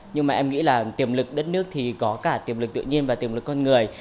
nhưng mà em nghĩ là tiềm lực đất nước thì có cả tiềm lực tự nhiên và tiềm lực con người